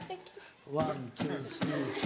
ワン・ツー・スリー・フォー。